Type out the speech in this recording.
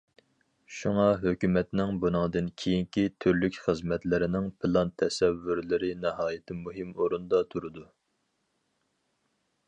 شۇڭا، ھۆكۈمەتنىڭ بۇنىڭدىن كېيىنكى تۈرلۈك خىزمەتلىرىنىڭ پىلان، تەسەۋۋۇرلىرى ناھايىتى مۇھىم ئورۇندا تۇرىدۇ.